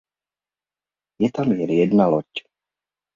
Je tam jen jedna loď.